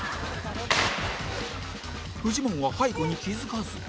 フジモンは背後に気づかず